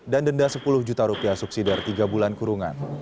dan denda sepuluh juta rupiah subsidi dari tiga bulan kurungan